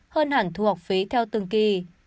hơn hẳn thu học phí theo tương kỳ